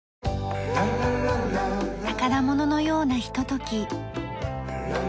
宝物のようなひととき。